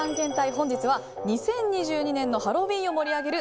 本日は２０２２年のハロウィーンを盛り上げる